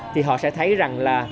thì họ sẽ thấy rằng là